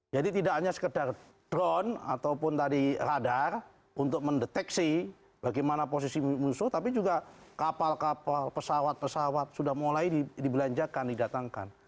jadi tidak hanya sekedar drone ataupun tadi radar untuk mendeteksi bagaimana posisi musuh tapi juga kapal kapal pesawat pesawat sudah mulai dibelanjakan didatangkan